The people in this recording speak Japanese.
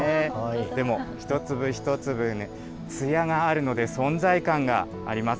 でも、一粒一粒つやがあるので、存在感があります。